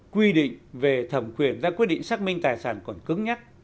quy định về thẩm quyền ra quyết định xác minh tài sản còn cứng nhắc